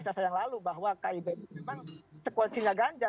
saya yang lalu bahwa kib itu memang sekuensinya ganjar